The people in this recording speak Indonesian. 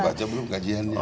sudah baca belum kajiannya